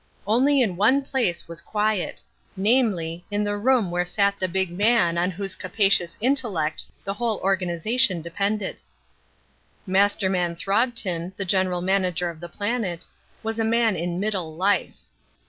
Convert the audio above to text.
Only in one place was quiet namely, in the room where sat the big man on whose capacious intellect the whole organization depended. Masterman Throgton, the general manager of the Planet, was a man in middle life.